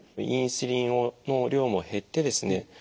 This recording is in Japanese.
インスリンの量も減ってですね